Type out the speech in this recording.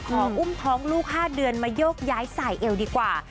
อุ้มท้องลูก๕เดือนมาโยกย้ายสายเอวดีกว่า